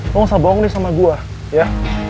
lo gak usah bohong deh sama gue ya